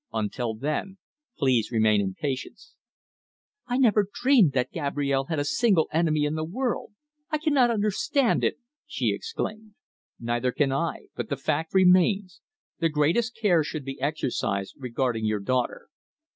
Until then, please remain in patience." "I never dreamed that Gabrielle had a single enemy in the world. I cannot understand it," she exclaimed. "Neither can I, but the fact remains. The greatest care should be exercised regarding your daughter.